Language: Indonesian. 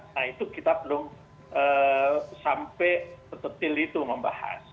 nah itu kita belum sampai se detil itu membahas